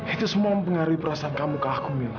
itu semua mempengaruhi perasaan kamu ke aku mila